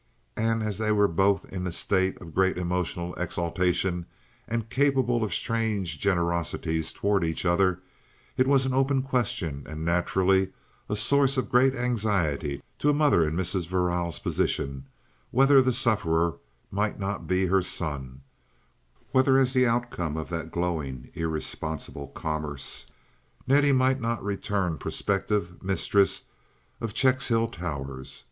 And as they were both in a state of great emotional exaltation and capable of strange generosities toward each other, it was an open question and naturally a source of great anxiety to a mother in Mrs. Verrall's position, whether the sufferer might not be her son—whether as the outcome of that glowing irresponsible commerce Nettie might not return prospective mistress of Checkshill Towers.